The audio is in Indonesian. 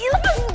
lepasin gue gak